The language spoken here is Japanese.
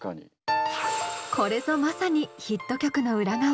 これぞまさにヒット曲の裏側。